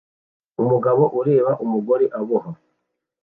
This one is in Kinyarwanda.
Umugabo ureba umugore aboha